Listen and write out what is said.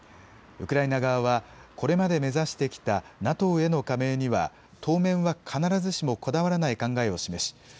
ウクライナ側はこれまで目指してきたＮＡＴＯへの加盟には当面は必ずしもこだわらない考えを示し